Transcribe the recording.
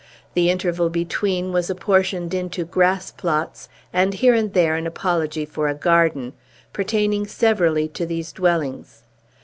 The interval between was apportioned into grass plots, and here and there an apology for a garden, pertaining severally to these dwellings.